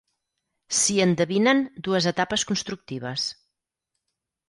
S'hi endevinen dues etapes constructives.